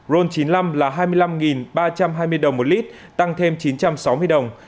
ron chín mươi năm là hai mươi năm đồng một lít tăng thêm chín trăm sáu mươi đồng